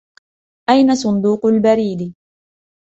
أين صندوق البريد ؟